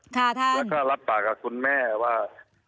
แล้วก็รับปากกับคุณแม่ว่า